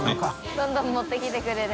どんどん持ってきてくれる△